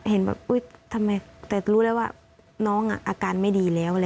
เห็นแบบอุ๊ยทำไมแต่รู้แล้วว่าน้องอาการไม่ดีแล้ว